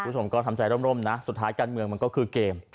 คุณผู้ชมก็ทำใจร่มนะสุดท้ายการเมืองมันก็คือเกม